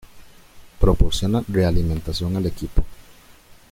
Proporciona realimentación al equipo.